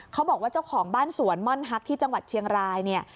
เขาบอกว่าเจ้าของบ้านสวนม่อนฮักที่จังหวัดเชียงราย